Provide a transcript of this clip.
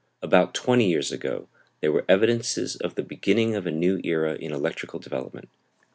About twenty years ago there were evidences of the beginning of a new era in electrical development.